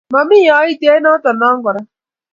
Mami aityo eng noto no kora